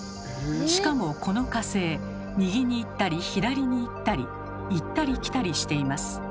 しかもこの火星右に行ったり左に行ったり行ったり来たりしています。